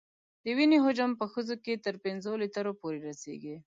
د وینې حجم په ښځو کې تر پنځو لیترو پورې رسېږي.